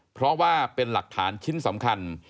เพราะว่าเป็นหลักฐานชิ้นสำคัญ